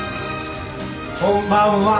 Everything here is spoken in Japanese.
こんばんは。